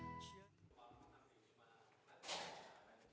bạn có thể nhận thêm gì để tham gia trong điều đó